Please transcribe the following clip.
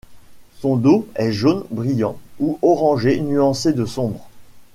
Son dos est jaune brillant ou orangé nuancé de sombre.